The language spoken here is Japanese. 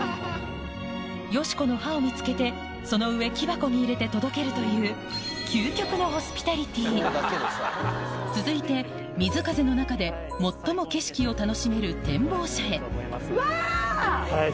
よしこの歯を見つけてその上木箱に入れて届けるという続いて瑞風の中で最も景色を楽しめる展望車へうわ！